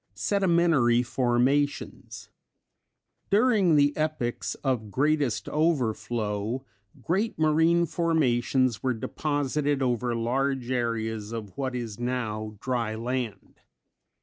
Sedimentary Formations. During the epochs of greatest overflow great marine formations were deposited over large areas of what is now dry land.